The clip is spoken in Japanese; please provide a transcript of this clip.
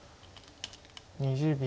２０秒。